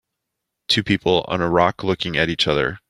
Two people on a rock looking at each other.